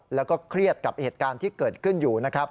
แล้วก็เครียดกับเหตุการณ์ที่เกิดขึ้นอยู่นะครับ